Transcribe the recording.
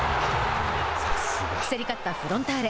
競り勝ったフロンターレ。